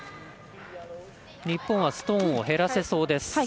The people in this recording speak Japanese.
日本はストーンを減らせそうです。